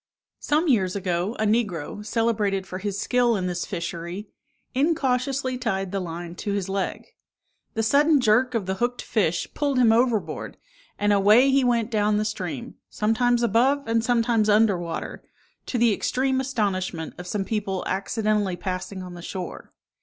Some years ago, a negro, celebrated for his skill in this fishery, incautiously tied the line to his leg. The sudden jerk of the hooked fish pulled him overboard, and away he went down the stream, sometimes above, and sometimes under water, to the extreme astonishment of some people accidentally passing on the shore.